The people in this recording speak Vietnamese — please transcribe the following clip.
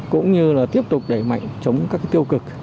cũng như là tiếp tục đẩy mạnh chống các tiêu cực